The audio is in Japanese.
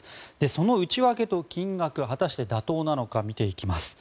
その内訳と金額果たして妥当なのか見ていきます。